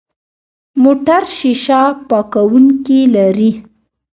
موټر شیشه پاکونکي لري.